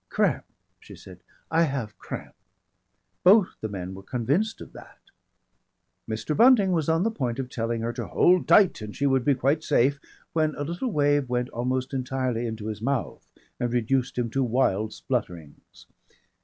"Cramp," she said, "I have cramp." Both the men were convinced of that. Mr. Bunting was on the point of telling her to hold tight and she would be quite safe, when a little wave went almost entirely into his mouth and reduced him to wild splutterings.